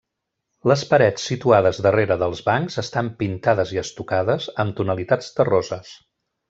Les parets situades darrere dels bancs estan pintades i estocades amb tonalitats terroses.